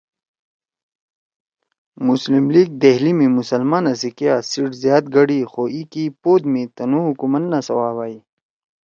مسلم لیگ دہلی می مسلمانا سی کیا سیِٹ زیاد گھڑئی خو اِی کی پوت می تنُو حکومت نہ سوَا بھئی